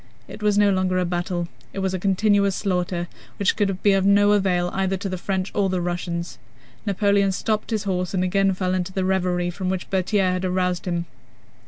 It was no longer a battle: it was a continuous slaughter which could be of no avail either to the French or the Russians. Napoleon stopped his horse and again fell into the reverie from which Berthier had aroused him.